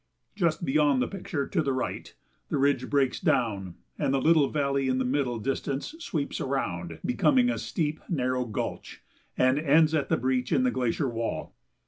Just beyond the picture, to the right, the ridge breaks down, and the little valley in the middle distance sweeps around, becomes a steep, narrow gulch, and ends at the breach in the glacier wall.